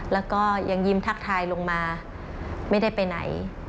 แล้วก็ยังยิ้มทักทายลงมาไม่ได้ไปไหน